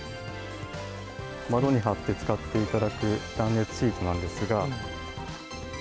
窓に貼って使っていただく断熱シートなんですが。